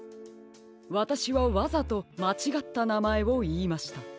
わたしはわざとまちがったなまえをいいました。